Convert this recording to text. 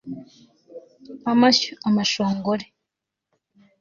Amashyo amashongori